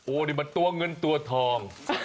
นี่มันตัวเงินตัวทอง